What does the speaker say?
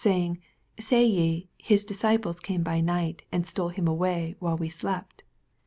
18 Baying, Say ye, His disciples came by night, and stole him away while we slept.